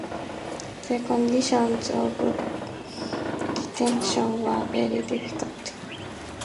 Their conditions of detention were very difficult.